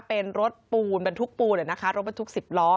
เป็นรถปูนบรรทุกปูนรถบรรทุก๑๐ล้อ